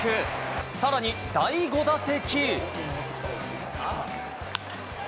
さらに第５打席。